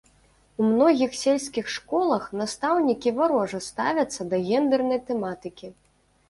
У многіх сельскіх школах настаўнікі варожа ставяцца да гендэрнай тэматыкі.